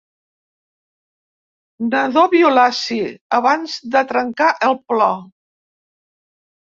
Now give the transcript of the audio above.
Nadó violaci, abans de trencar el plor.